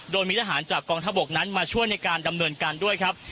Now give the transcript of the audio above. โดยมีทหารจากกองทบกนั้นมาช่วยในการดำเนินการด้วยครับ